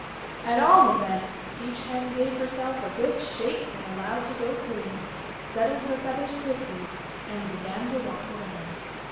At all events, each Hen gave herself a good shake when allowed to go free, settled her feathers quickly, and began to walk around.